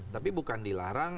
tapi bukan dilarang